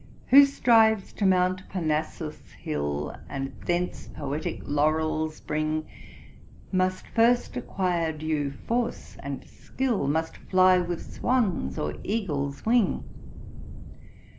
'Who strives to mount Parnassus' hill, And thence poetick laurels bring, Must first acquire due force and skill, Must fly with swan's or eagle's wing.